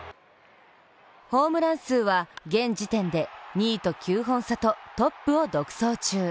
ホームラン数は現時点で２位と９本差とトップを独走中。